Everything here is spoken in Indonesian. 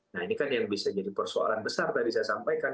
nah ini kan yang bisa jadi persoalan besar tadi saya sampaikan